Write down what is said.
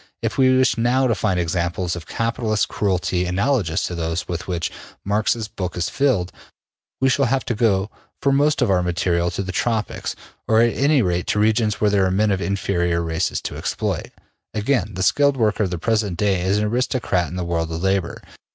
If we wish now to find examples of capitalist cruelty analogous to those with which Marx's book is filled, we shall have to go for most of our material to the Tropics, or at any rate to regions where there are men of inferior races to exploit. Again: the skilled worker of the present day is an aristocrat in the world of labor.